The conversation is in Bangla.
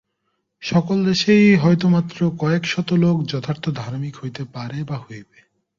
সকল দেশেই হয়তো মাত্র কয়েক শত লোক যথার্থ ধার্মিক হইতে পারে বা হইবে।